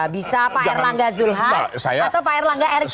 bisa pak erlangga zulhas atau pak erlangga erick